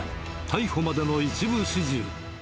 逮捕までの一部始終。